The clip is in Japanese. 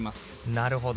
なるほど。